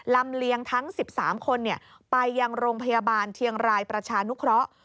เลียงทั้ง๑๓คนไปยังโรงพยาบาลเชียงรายประชานุเคราะห์